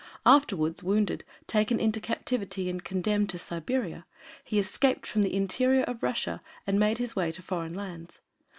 Afterwards, wounded, taken into captivity, and condemned to Siberia, he escaped from the interior of Russia and made his way to foreign lands.